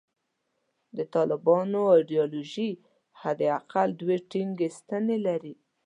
د طالبانو ایدیالوژي حد اقل دوې ټینګې ستنې لري.